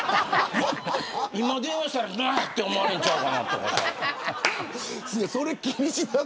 今、電話したらうわって思われちゃうとか。